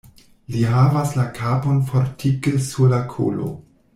Li havas la kapon fortike sur la kolo.